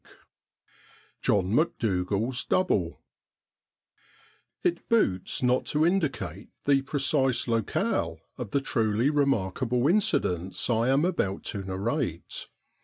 79 VII JOHN MACDOUGAL'S DOUBLE It boots not to indicate the precise locale of the truly remark able incidents I am about to narrate.